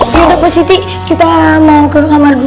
yaudah positi kita mau ke kamar dulu